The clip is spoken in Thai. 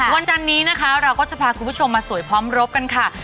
วันจันนี้อย่างค่ะเราก็จะพาคุณผู้ชมมาสวยพร้อมด้วยกันค่ะ